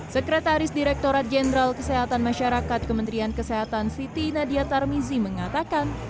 sekretaris direkturat jenderal kesehatan masyarakat kementerian kesehatan siti nadia tarmizi mengatakan